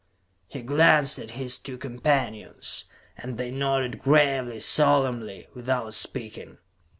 He glanced at his two companions, and they nodded gravely, solemnly, without speaking.